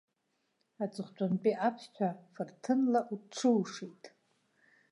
Аҵыхәтәантәи аԥсҭҳәа фырҭынла уҽыушеит.